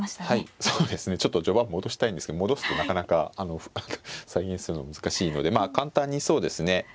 はいそうですねちょっと序盤戻したいんですけど戻すとなかなか再現するの難しいのでまあ簡単にそうですね